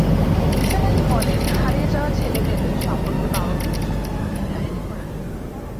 নিসার আলি বললেন, হারিয়ে যাওয়া ছেলেমেয়েদের সম্পর্কে বাবা-মা নিশ্চয়ই থানায় ডায়েরি করান।